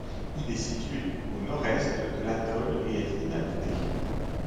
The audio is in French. Il est situé au nord-est de l'atoll et est inhabité.